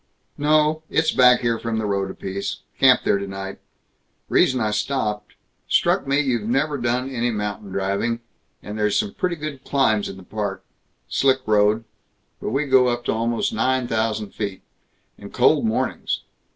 "No. It's back here from the road a piece. Camp there tonight. Reason I stopped Struck me you've never done any mountain driving, and there's some pretty good climbs in the Park; slick road, but we go up to almost nine thousand feet. And cold mornings.